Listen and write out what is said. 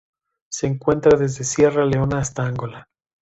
Se encuentra desde Sierra Leona hasta Angola.